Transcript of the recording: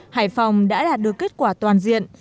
hải phòng đã đạt được kết quả toàn diện